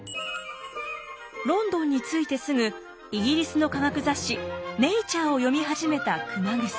ロンドンに着いてすぐイギリスの科学雑誌「ネイチャー」を読み始めた熊楠。